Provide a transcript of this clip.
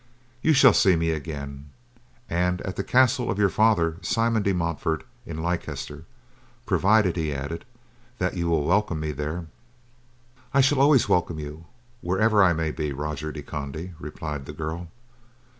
You shall see me again, and at the castle of your father, Simon de Montfort, in Leicester. Provided," he added, "that you will welcome me there." "I shall always welcome you, wherever I may be, Roger de Conde," replied the girl.